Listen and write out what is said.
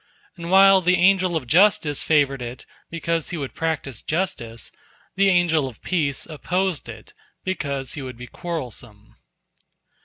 And while the Angel of Justice favored it, because he would practice justice, the Angel of Peace opposed it, because he would be quarrelsome.